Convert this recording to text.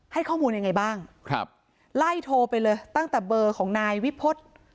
ให้ข้อมูลยังไงบ้างครับไล่โทรไปเลยตั้งแต่เบอร์ของนายวิพฤษ